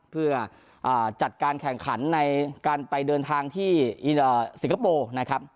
เพื่อจัดการแข่งขันในการไปเดินทางที่สิงคโปร์นะครับ